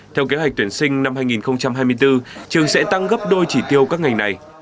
theo kế hoạch tuyển sinh năm hai nghìn hai mươi bốn trường sẽ tăng gấp đôi chỉ tiêu các ngành này